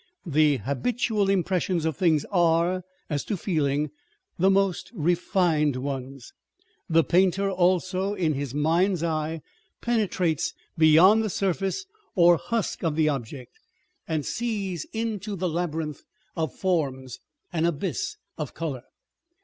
The habitual impressions of things are, as to feeling, the most refined ones. The painter also in his mind's eye penetrates beyond the surface or husk of the object, and sees into a On Respectable People. 507 labyrinth of forms, an abyss of colour.